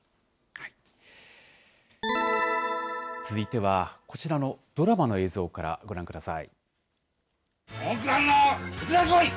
続いては、こちらのドラマの映像からご覧ください。